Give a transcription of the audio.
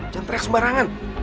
jangan teriak sembarangan